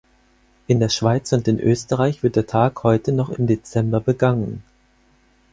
In der Schweiz und in Österreich wird der Tag heute noch im Dezember begangen.